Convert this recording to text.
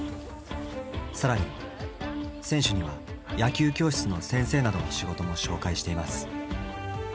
更に選手には野球教室の先生などの仕事も紹介しています。